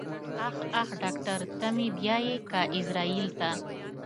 اخ اخ ډاکټر ته مې بيايې که ايزرايل ته.